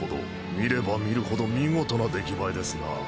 見れば見るほど見事な出来栄えですな。